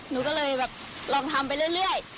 หนูก็เลยแบบลองทำไปเรื่อย